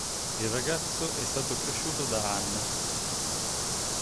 Il ragazzo è stato cresciuto da Anne.